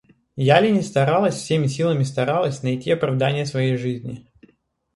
Я ли не старалась, всеми силами старалась, найти оправдание своей жизни?